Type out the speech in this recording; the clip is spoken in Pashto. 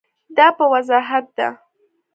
دا په وضاحت ده.